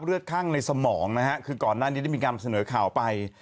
ข้างในสมองนะฮะคือก่อนหน้านี้ได้มีการเสนอข่าวไป